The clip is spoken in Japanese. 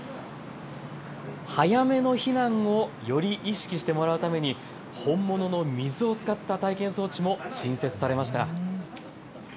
早めの避難をより意識してもらうために本物の水を使った体験装置も新設されました。